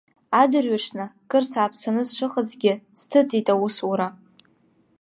Адырҩаҽны, кыр сааԥсаны сшыҟазгьы, сҭыҵит аусура.